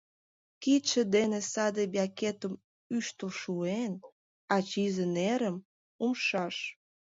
Кидше дене саде «бякетым» ӱштыл шуэн, а чызе нерым — умшаш.